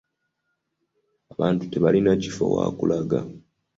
Abantu tebalina kifo wa kulaga.